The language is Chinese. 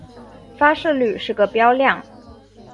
发射率是个标量。